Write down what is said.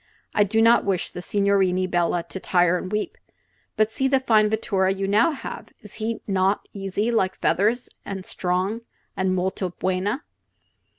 I do not wish the signorini bella to tire and weep. But see the fine vetture you now have! Is he not easy like feathers, an' strong, an' molto buena?"